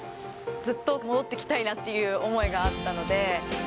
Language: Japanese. ずっと戻ってきたいなっていう思いがあったので。